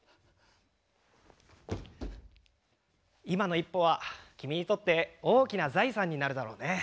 今の一歩は君にとって大きな財産になるだろうね。